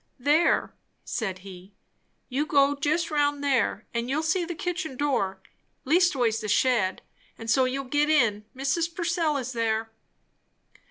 "There!" said he, "you go jist roun' there, and you'll see the kitchen door leastways the shed; and so you'll git in. Mrs. Purcell is there."